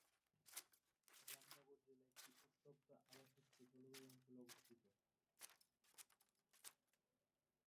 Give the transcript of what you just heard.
জামনগর জেলা একটি উত্তপ্ত আধা-শুষ্ক জলবায়ু অঞ্চলে অবস্থিত।